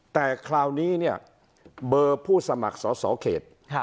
แต่คราวนี้เนี่ยเบอร์ผู้สมัครสอสอเขต